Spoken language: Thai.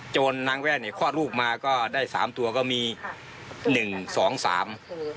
นางแว่นเนี่ยคลอดลูกมาก็ได้สามตัวก็มีหนึ่งสองสาม